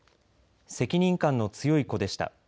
責任感の強い子でした。